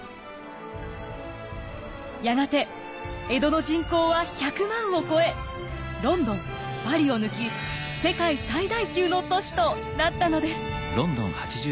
やがて江戸の人口は１００万を超えロンドンパリを抜き世界最大級の都市となったのです。